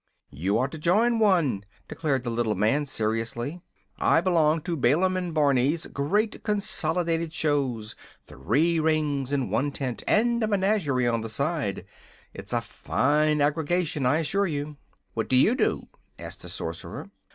"You ought to join one," declared the little man seriously. "I belong to Bailum & Barney's Great Consolidated Shows three rings in one tent and a menagerie on the side. It's a fine aggregation, I assure you." "What do you do?" asked the Sorcerer.